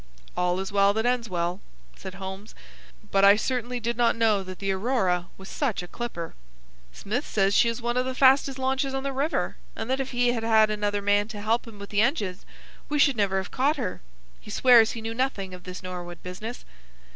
"All is well that ends well," said Holmes. "But I certainly did not know that the Aurora was such a clipper." "Smith says she is one of the fastest launches on the river, and that if he had had another man to help him with the engines we should never have caught her. He swears he knew nothing of this Norwood business."